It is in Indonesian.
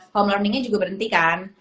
home learningnya juga berhenti kan